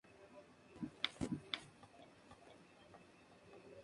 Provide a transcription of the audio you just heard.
Sí recibió más tarde la influencia de Rembrandt.